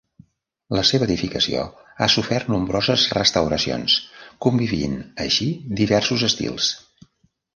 La seva edificació ha sofert nombroses restauracions, convivint així diversos estils.